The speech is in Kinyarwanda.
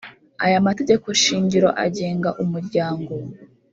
Aya mategeko shingiro agenga Umuryango